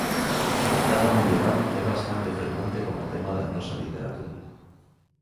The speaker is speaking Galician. A etapa medieval é bastante frecuente como tema da nosa literatura.